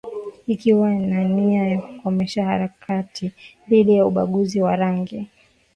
Ikiwa na nia ya kukomesha harakati dhidi ya ubaguzi wa rangi